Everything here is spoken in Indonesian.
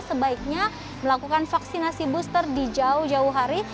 sebaiknya melakukan vaksinasi booster di jauh jauh hari